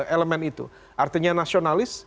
elemen itu artinya nasionalis